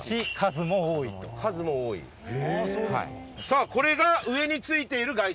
さあこれが上についているガイシ。